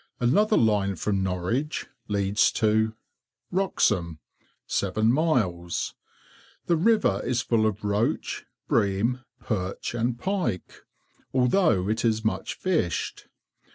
Another line from Norwich leads to— WROXHAM. 7 miles. The river is full of roach, bream, perch, and pike, although it is much fished.